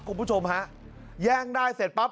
คุณผู้ชมฮะแย่งได้เสร็จปั๊บ